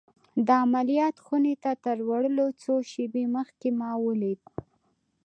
د عملیات خونې ته تر وړلو څو شېبې مخکې ما ولید